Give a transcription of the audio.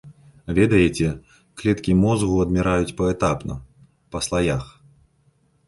Ведаеце, клеткі мозгу адміраюць паэтапна, па слаях.